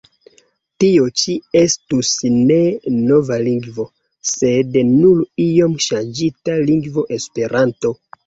Tio ĉi estus ne nova lingvo, sed nur iom ŝanĝita lingvo Esperanto!